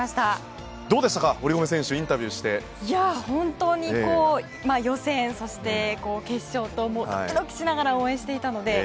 本当に予選、そして決勝とドキドキしながら応援していたので。